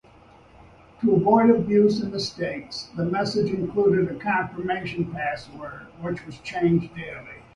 To avoid abuse and mistakes, the message included a confirmation password which changed daily.